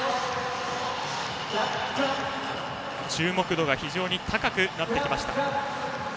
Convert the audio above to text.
注目度が非常に高くなってきました。